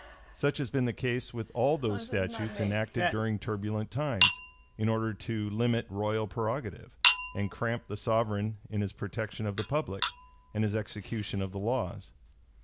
Such has been the case with all those statutes enacted during turbulent times, in order to limit royal prerogative, and cramp the sovereign in his protection of the public, and his execution of the laws.